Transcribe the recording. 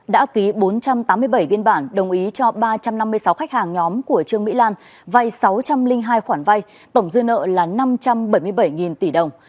đã ký bốn trăm tám mươi bảy biên bản đồng ý cho ba trăm năm mươi sáu khách hàng nhóm của trương mỹ lan vay sáu trăm linh hai khoản vay tổng dư nợ là năm trăm bảy mươi bảy tỷ đồng